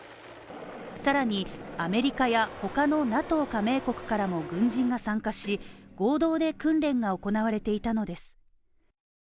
更に、アメリカや他のＮＡＴＯ加盟国からも軍人が参加し合同で訓練が行われていたのです。